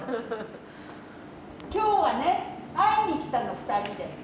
今日はね会いに来たの２人で。